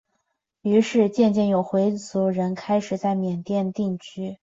于是渐渐有回族人开始在缅甸定居。